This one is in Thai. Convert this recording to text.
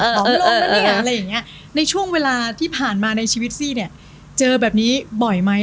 อะไรอย่างเงี้ยในช่วงเวลาที่ผ่านมาในชีวิตซี่เนี้ยเจอแบบนี้บ่อยไหม